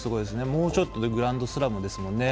もうちょっとでグランドスラムですからね。